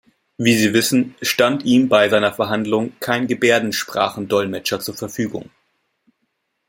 Wie Sie wissen, stand ihm bei seiner Verhandlung kein Gebärdensprachendolmetscher zur Verfügung.